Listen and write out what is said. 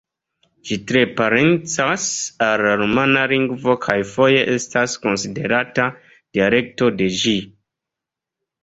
Ĝi tre parencas al la rumana lingvo kaj foje estas konsiderata dialekto de ĝi.